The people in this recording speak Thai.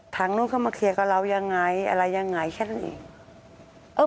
ทางนู้นเข้ามาเคลียร์กับเรายังไงอะไรยังไงแค่นั้นเอง